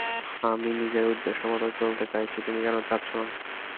আমি নিজের উদ্দেশ্যমতো চলতে চাইছি, তুমি কেন চাচ্ছো না?